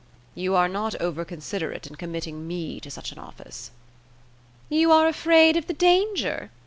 "You are not over considerate in committing me to such an office." "You are afraid of the danger?"